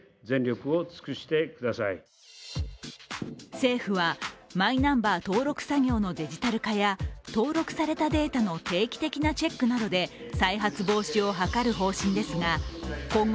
政府はマイナンバー登録作業のデジタル化や登録されたデータの定期的なチェックなどでやさしいマーン！！